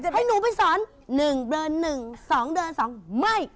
ให้หนูไปสอนหนึ่งเดินหนึ่งสองเดินสองไม่